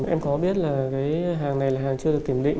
em có biết là cái hàng này là hàng chưa được kiểm định